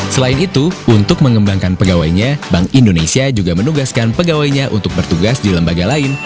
selain itu untuk mengembangkan pegawainya bank indonesia juga menugaskan pegawainya untuk bertugas di lembaga lain